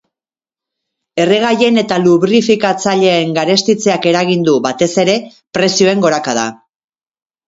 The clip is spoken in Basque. Erregaien eta lubrifikatzaileen garestitzeak eragin du, batez ere, prezioen gorakada.